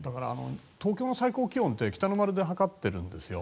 東京の最高気温で北の丸で測ってるんです。